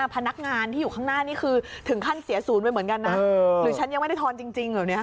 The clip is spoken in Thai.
พนักงานที่อยู่ข้างหน้านี่คือถึงขั้นเสียศูนย์ไปเหมือนกันนะหรือฉันยังไม่ได้ทอนจริงเหรอเนี่ย